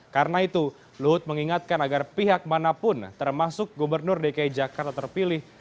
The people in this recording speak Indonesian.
karena itu luhut mengingatkan agar pihak manapun termasuk gubernur dki jakarta terpilih